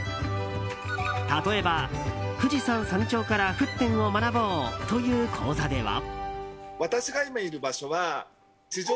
例えば、富士山山頂から沸点を学ぼう！という講座では。